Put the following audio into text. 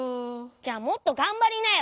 じゃあもっとがんばりなよ。